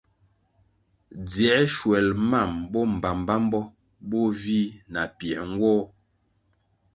Dziē shwel mam bo mbpambpambo bo vih na piē nwoh.